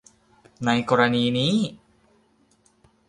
ในกรณีนี้